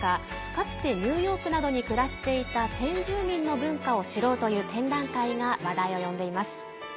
かつて、ニューヨークなどに暮らしていた先住民の文化を知ろうという展覧会が話題を呼んでいます。